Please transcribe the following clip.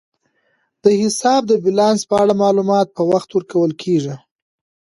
د حساب د بیلانس په اړه معلومات په وخت ورکول کیږي.